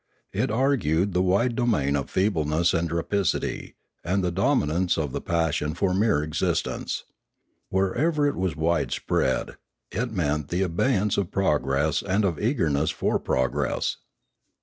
It argued the wide domain of feebleness and rapacity, and the dominance of the passion for mere existence. Wherever it was wide spread, it meant the abeyance of progress and of eagerness for progress.